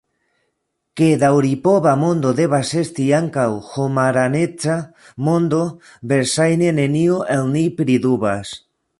Ke daŭripova mondo devas esti ankaŭ homaraneca mondo, verŝajne neniu el ni pridubas.